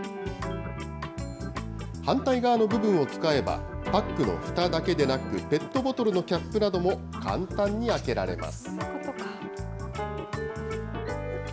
反対側の部分を使えば、パックのふただけでなく、ペットボトルのキャップなども簡単に開けられます。